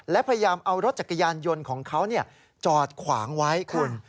และพยายามเอารถจักรยานยนต์ของเขาจอดขวางไว้คุณ